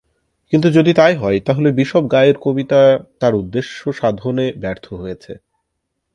কিন্তু যদি তাই হয়, তাহলে বিশপ গাইয়ের কবিতা তার উদ্দেশ্য সাধনে ব্যর্থ হয়েছে।